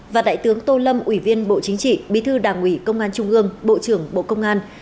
và đại tướng tô lâm ủy viên bộ chính trị bí thư đảng ủy công an trung ương bộ trưởng bộ công an